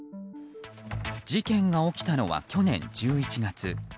事件が起きたのは、去年１１月。